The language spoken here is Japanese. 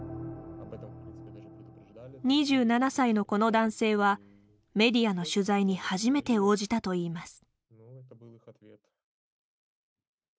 ２７歳のこの男性はメディアの取材に初めて応じたといいます。